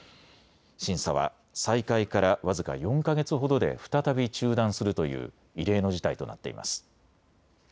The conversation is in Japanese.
審査は再開から僅か４か月ほどで再び中断するという異例の事態となっています。